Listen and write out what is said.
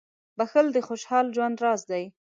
• بښل د خوشحال ژوند راز دی.